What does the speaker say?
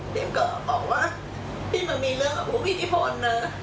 เด็กเกิร์ตบอกว่าปิ๊บมันมีเรื่องกับผู้มีอิทธิพลน่ะ